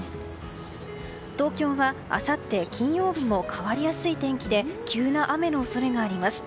東京はあさって金曜日も変わりやすい天気で急な雨の恐れがあります。